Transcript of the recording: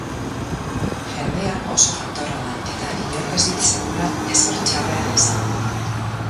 Jendea oso jatorra da eta inork ez dit sekula ezer txarrean esan.